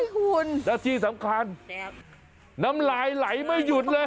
โอ้ยหุ่นและที่สำคัญน้ำลายไหลไม่หยุดเลย